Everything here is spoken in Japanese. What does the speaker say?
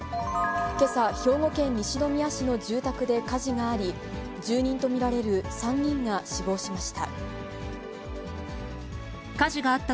けさ、兵庫県西宮市の住宅で火事があり、住人と見られる３人が死亡しました。